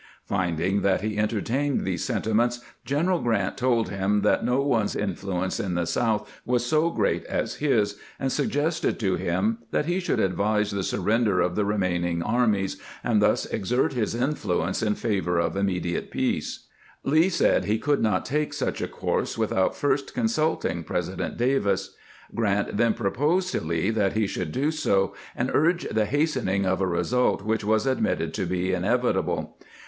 Finding that he enter tained these sentiments. General Grant told him that no one's influence in the South was so great as his, and suggested to him that he should advise the surrender of the remaining armies, and thus exert his influence in grant's final conference with lee 491 favor of immediate peace. Lee said he could not take sucli a course witliout first consulting President Davis. Grant then proposed to Lee that he should do so, and urge the hastening of a result which was admitted to be inevitable.